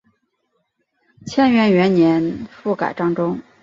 干元元年复改漳州。